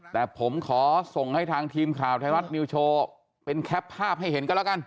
แต่ผมขอส่งให้ทางทีมข่าวไทยรัฐนิวโชว์เป็นแคปภาพให้เห็นกันแล้วกัน